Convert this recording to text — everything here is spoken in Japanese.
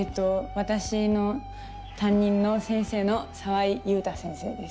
私の担任の先生の澤井裕太先生です。